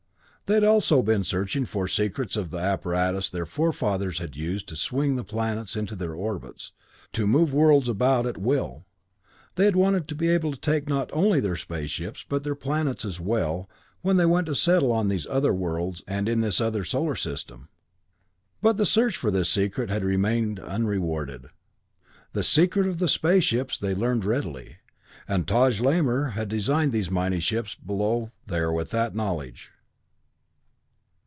They had also been searching for secrets of the apparatus their forefathers had used to swing the planets in their orbits, to move worlds about at will. They had wanted to be able to take not only their space ships, but their planets as well, when they went to settle on these other worlds and in this other solar system. But the search for this secret had remained unrewarded. The secret of the spaceships they learned readily, and Taj Lamor had designed these mighty ships below there with that knowledge.